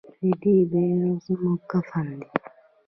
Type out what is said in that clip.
د دې بیرغ زموږ کفن دی؟